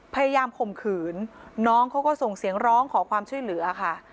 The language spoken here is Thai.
ข่มขืนน้องเขาก็ส่งเสียงร้องขอความช่วยเหลือค่ะ